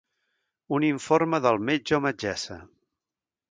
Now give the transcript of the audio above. Un informe del metge o metgessa.